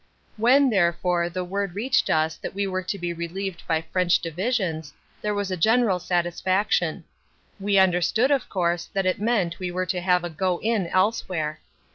When therefore the word reached us that we were to be relieved by French divisions, there was general satisfaction. We understood of course that it meant we were to have a go in elsewhere.